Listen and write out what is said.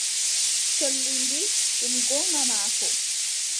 Colli mbii: ɗum goonga maako.